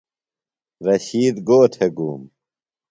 رشید گو تھےۡ گُوم؟